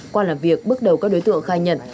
qua làm việc bước đầu các đối tượng khai nhận